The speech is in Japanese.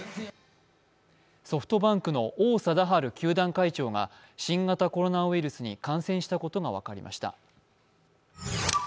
ソフトバンクの王貞治球団会長が新型コロナウイルスに感染したことが分かりました。